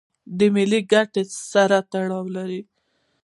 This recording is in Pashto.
د ملي ګټو سره تړاو لري.